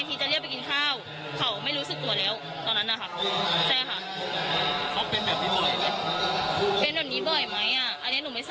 เพราะว่าทั้งครอบครัวเหมือนหนูก็ต้องส่งเสียทั้งแม่